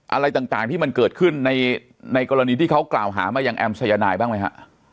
อะไรต่างที่มันเกิดขึ้นในกรณีที่เขากล่าวหามายังแอมสายนายบ้างไหมฮะ